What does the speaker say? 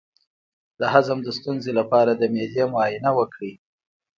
د هضم د ستونزې لپاره د معدې معاینه وکړئ